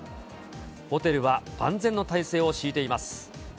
ホテルは万全の体制を敷いています。